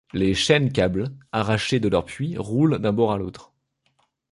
Les chaînes-câbles, arrachées de leur puits, roulent d’un bord à l’autre.